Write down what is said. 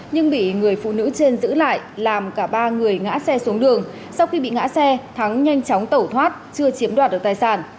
nhưng bị người phụ nữ trên giữ lại làm cả ba người ngã xe xuống đường sau khi bị ngã xe thắng nhanh chóng tẩu thoát chưa chiếm đoạt được tài sản